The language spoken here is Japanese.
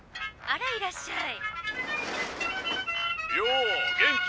「あらいらっしゃい」。